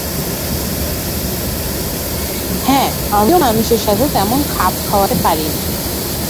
হ্যাঁ, আমিও মানুষের সাথে তেমন খাপ খাওয়াতে পারি না।